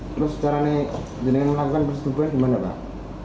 terus cara ini jadinya melakukan perbuatan gimana pak